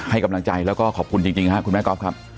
ให้กำลังใจและขอบคุณจริงคุณแม่ก๊อฟครับ